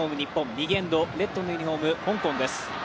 右エンド、レッドのユニフォーム香港です。